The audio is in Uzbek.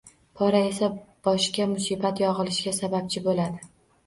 Pora esa boshga musibat yog‘ilishiga sababchi bo‘ladi.